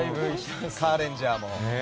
「カーレンジャー」も。